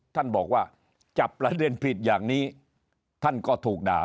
ท่านบอกว่าจับประเด็นผิดอย่างนี้ท่านก็ถูกด่า